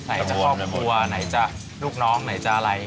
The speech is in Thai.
ไหนจะครอบครัวไหนจะลูกน้องไหนจะอะไร